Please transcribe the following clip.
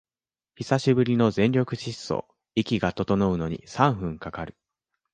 久しぶりの全力疾走、息が整うのに三分かかる